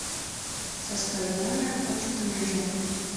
Саскайланак ончыктынеже